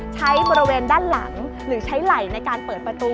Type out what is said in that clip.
ใช้บริเวณด้านหลังหรือใช้ไหล่ในการเปิดประตู